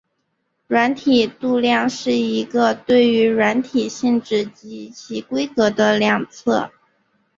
软体度量是一个对于软体性质及其规格的量测。